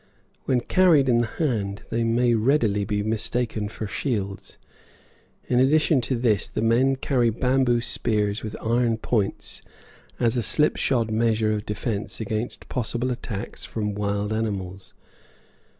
When carried in the hand they may readily be mistaken for shields. In addition to this, the men carry bamboo spears with iron points as a slipshod measure of defence against possible attacks from wild animals.